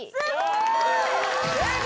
すごい！